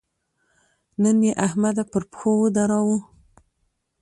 نن يې احمد پر پښو ودراوو.